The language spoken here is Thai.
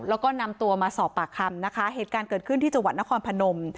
แล้วก็นำตัวมาสอบปากคำนะคะเหตุการณ์เกิดขึ้นที่จังหวัดนครพนม